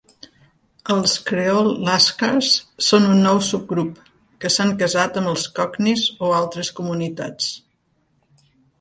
Els Creole Lascars són un nou subgrup, que s"han casat amb els Cocknies o altres comunitats.